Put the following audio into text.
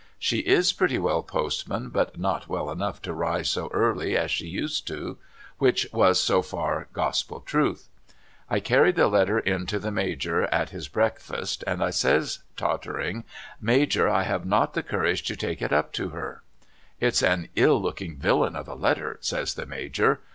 'She is pretty well postman, but not well enough to rise so early as she used ' which was so fiir gospel trutli. I carried the letter in to the Major at his breakfast and I says tottering ' Major I have not the courage to take it up to her.' * It's an ill looking villain of a letter,' says the Major.